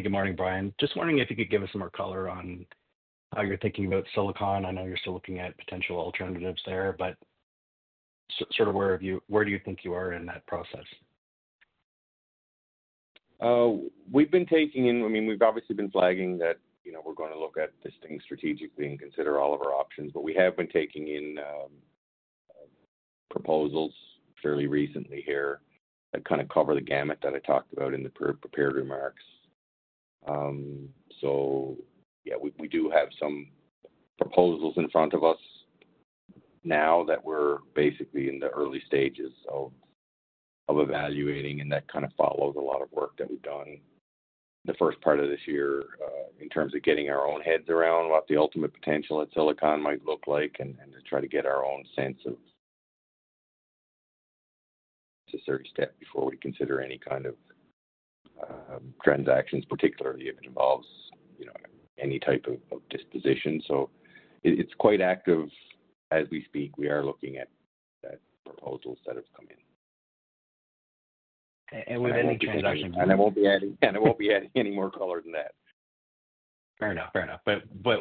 Good morning, Brian. Just wondering if you could give us more color on how you're thinking about Silicon. I know you're still looking at potential alternatives there, but sort of where do you think you are in that process? We've been taking in—I mean, we've obviously been flagging that we're going to look at this thing strategically and consider all of our options, but we have been taking in proposals fairly recently here that kind of cover the gamut that I talked about in the prepared remarks. Yeah, we do have some proposals in front of us now that we're basically in the early stages of evaluating, and that kind of follows a lot of work that we've done the first part of this year in terms of getting our own heads around what the ultimate potential at Silicon might look like and to try to get our own sense of—it's a certain step before we consider any kind of transactions, particularly if it involves any type of disposition. It's quite active as we speak. We are looking at proposals that have come in. Would any transaction? I will not be adding any more color than that. Fair enough. Fair enough.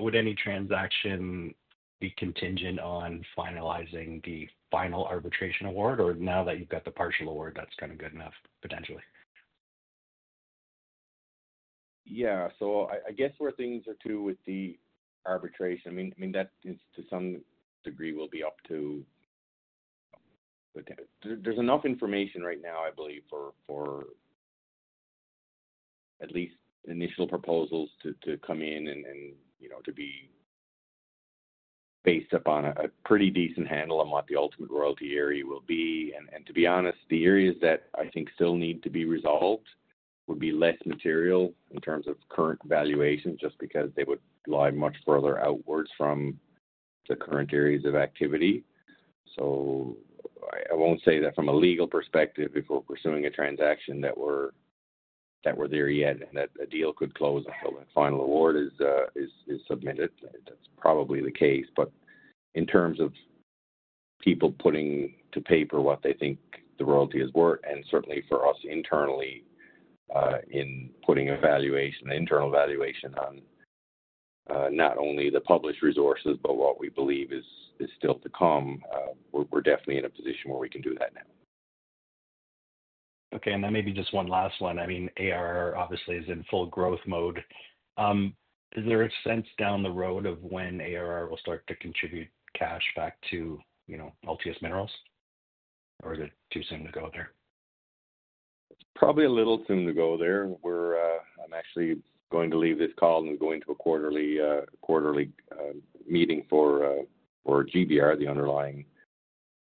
Would any transaction be contingent on finalizing the final arbitration award? Or now that you've got the partial award, that's kind of good enough, potentially? Yeah. I guess where things are too with the arbitration, I mean, that to some degree will be up to—there's enough information right now, I believe, for at least initial proposals to come in and to be based upon a pretty decent handle on what the ultimate royalty area will be. To be honest, the areas that I think still need to be resolved would be less material in terms of current valuation just because they would lie much further outwards from the current areas of activity. I won't say that from a legal perspective if we're pursuing a transaction that we're there yet and that a deal could close until the final award is submitted. That's probably the case. In terms of people putting to paper what they think the royalty is worth, and certainly for us internally in putting evaluation, internal evaluation on not only the published resources, but what we believe is still to come, we're definitely in a position where we can do that now. Okay. Maybe just one last one. I mean, ARR obviously is in full growth mode. Is there a sense down the road of when ARR will start to contribute cash back to Altius Minerals? Is it too soon to go there? It's probably a little soon to go there. I'm actually going to leave this call and go into a quarterly meeting for GBR, the underlying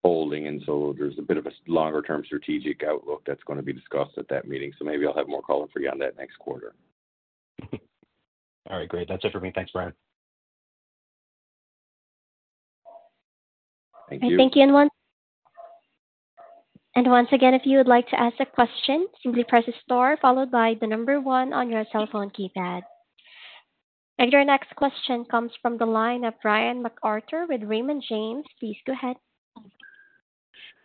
holding. There's a bit of a longer-term strategic outlook that's going to be discussed at that meeting. Maybe I'll have more color for you on that next quarter. All right. Great. That's it for me. Thanks, Brian. Thank you. Thank you once again. If you would like to ask a question, simply press star followed by the number one on your cell phone keypad. Your next question comes from the line of Brian MacArthur with Raymond James. Please go ahead.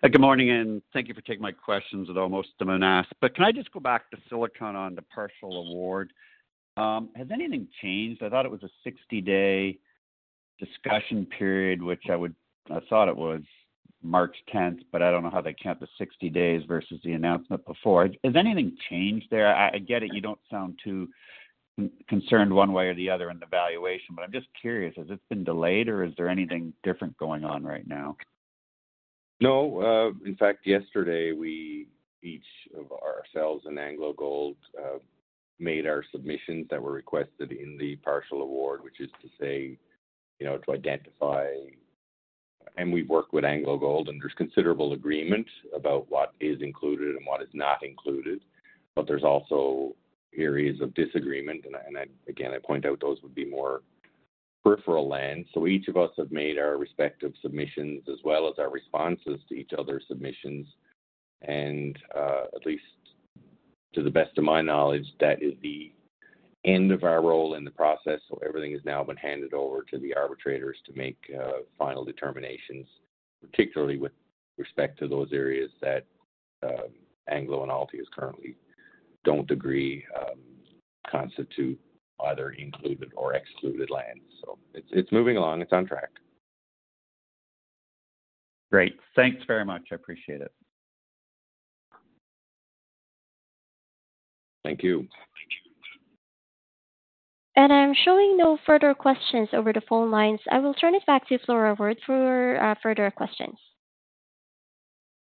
Good morning, and thank you for taking my questions that almost demonized. Can I just go back to Silicon on the partial award? Has anything changed? I thought it was a 60-day discussion period, which I thought it was March 10th, but I do not know how they count the 60 days versus the announcement before. Has anything changed there? I get it. You do not sound too concerned one way or the other in the valuation, but I am just curious. Has it been delayed, or is there anything different going on right now? No. In fact, yesterday, we, each of ourselves and AngloGold, made our submissions that were requested in the partial award, which is to say to identify—and we've worked with AngloGold, and there's considerable agreement about what is included and what is not included. There are also areas of disagreement. I point out those would be more peripheral land. Each of us have made our respective submissions as well as our responses to each other's submissions. At least to the best of my knowledge, that is the end of our role in the process. Everything has now been handed over to the arbitrators to make final determinations, particularly with respect to those areas that AngloGold and Altius currently do not agree constitute either included or excluded land. It is moving along. It is on track. Great. Thanks very much. I appreciate it. Thank you. I am showing no further questions over the phone lines. I will turn it back to Flora Wood for further questions.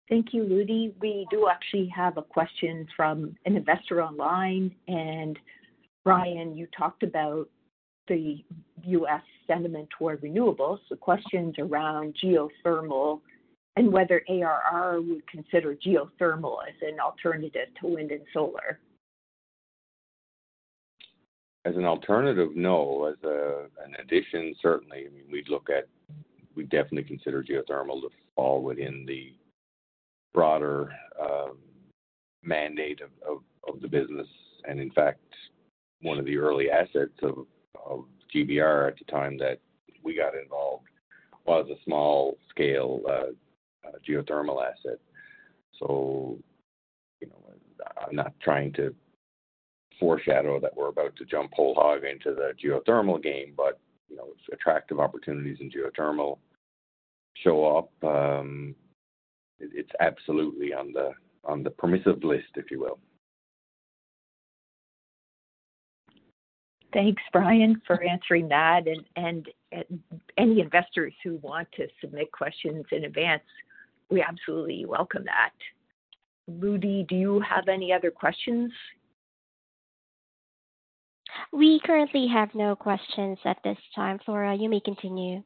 Thank you, Rudy. We do actually have a question from an investor online. Brian, you talked about the U.S. sentiment toward renewables. The question's around geothermal and whether ARR would consider geothermal as an alternative to wind and solar. As an alternative, no. As an addition, certainly. I mean, we'd look at—we'd definitely consider geothermal to fall within the broader mandate of the business. And in fact, one of the early assets of GBR at the time that we got involved was a small-scale geothermal asset. So I'm not trying to foreshadow that we're about to jump whole hog into the geothermal game, but if attractive opportunities in geothermal show up, it's absolutely on the permissive list, if you will. Thanks, Brian, for answering that. Any investors who want to submit questions in advance, we absolutely welcome that. Rudy, do you have any other questions? We currently have no questions at this time. Flora, you may continue.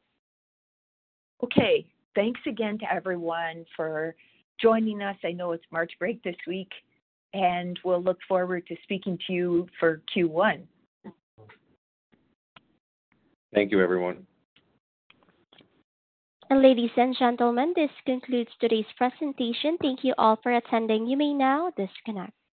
Okay. Thanks again to everyone for joining us. I know it's March break this week, and we'll look forward to speaking to you for Q1. Thank you, everyone. Ladies and gentlemen, this concludes today's presentation. Thank you all for attending. You may now disconnect.